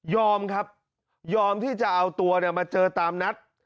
ยอมครับยอมที่จะเอาตัวมาเจอตามนัด